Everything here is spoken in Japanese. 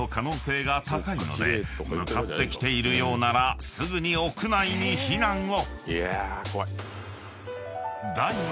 ［向かってきているようならすぐに屋内に避難を］